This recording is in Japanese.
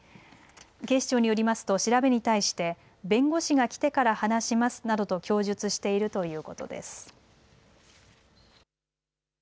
警視庁によりますと調べに対して弁護士が来てから話しますなどと供述しているということです。